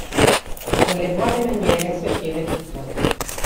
Con le buone maniere si ottiene tutto.